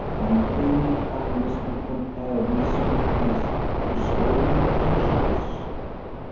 " Can any happiness be compared in sweetness to stolen pleasures?"